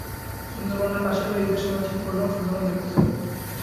সুন্দরবানের পাশেই বাড়ি, ঈদের সময় ঠিক করলাম, সুন্দরবন দেখতে যাব।